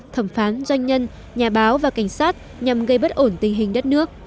thẩm phán doanh nhân nhà báo và cảnh sát nhằm gây bất ổn tình hình đất nước